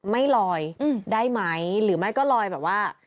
ไม่ลอยได้ไหมหรือไม่ก็ลอยแบบว่า